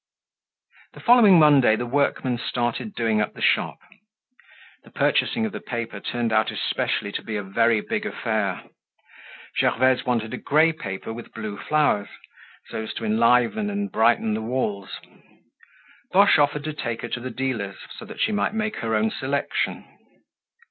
The following Monday the workmen started doing up the shop. The purchasing of the paper turned out especially to be a very big affair. Gervaise wanted a grey paper with blue flowers, so as to enliven and brighten the walls. Boche offered to take her to the dealers, so that she might make her own selection.